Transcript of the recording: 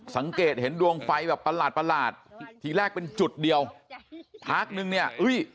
สังเกตเห็นดวงไฟแบบประหลาดทีแรกเป็นจุดเดียวพักนึงเนี่ยอุ้ย